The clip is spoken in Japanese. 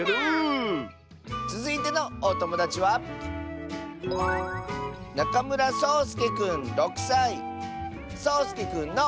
つづいてのおともだちはそうすけくんの。